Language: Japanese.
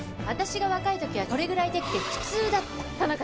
私が若い時はこれぐらいできて普通だった。